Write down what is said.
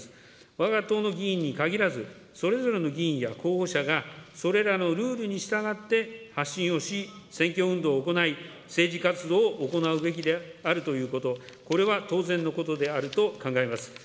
わが党の議員に限らず、それぞれの議員や候補者がそれらのルールに従って、発信をし、選挙運動を行い、政治活動を行うべきであるということ、これは当然のことであると考えます。